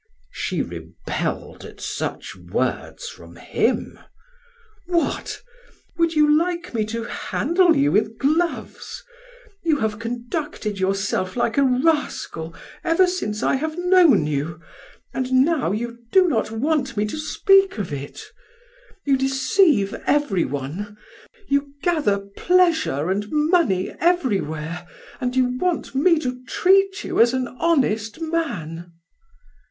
She rebelled at such words from him: "What! Would you like me to handle you with gloves? You have conducted yourself like a rascal ever since I have known you, and now you do not want me to speak of it. You deceive everyone; you gather pleasure and money everywhere, and you want me to treat you as an honest man."